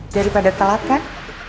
daripada telat kan